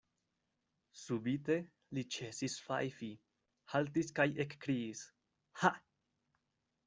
Subite li ĉesis fajfi, haltis kaj ekkriis: ha!